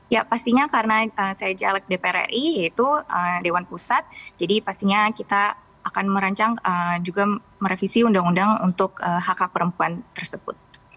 ya pastinya karena saya caleg dpr ri yaitu dewan pusat jadi pastinya kita akan merancang juga merevisi undang undang untuk hak hak perempuan tersebut